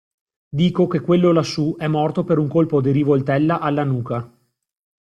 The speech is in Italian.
Dico che quello lassù è morto per un colpo di rivoltella alla nuca.